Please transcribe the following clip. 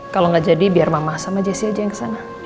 kalau nggak jadi biar mama sama jessi aja yang kesana